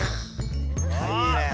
いいねえ。